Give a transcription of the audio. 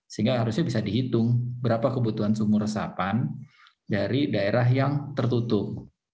sehingga harusnya bisa dihitung berapa kebutuhan sumur resapan dari daerah yang tertutup